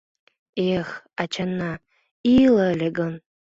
Эх, ачана ила ыле гын...